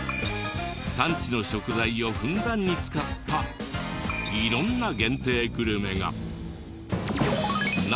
産地の食材をふんだんに使った色んな限定グルメが。